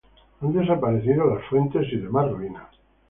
Las fuentes y demás ruinas han desaparecido.